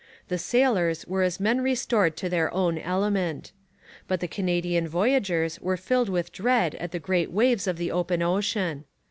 The sailors were as men restored to their own element. But the Canadian voyageurs were filled with dread at the great waves of the open ocean.